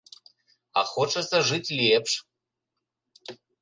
А хочацца жыць лепш.